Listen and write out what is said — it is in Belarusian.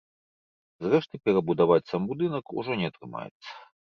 Зрэшты, перабудаваць сам будынак ужо не атрымаецца.